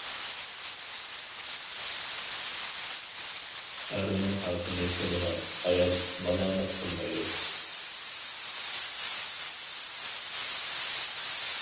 ئەرنىڭ ھەققىنى تونۇغان ئايال مالامەت قىلمايدۇ.